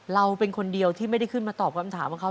เราเป็นคนเดียวที่ไม่ได้ขึ้นมาตอบคำถามของเขา